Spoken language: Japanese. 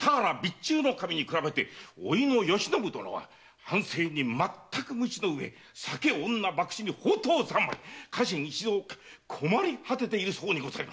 守に比べて甥の嘉信殿は藩政にまったく無知のうえ酒女博打と放蕩三昧家臣一同困り果てているそうにございます。